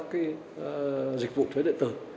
các cái dịch vụ thuế điện tử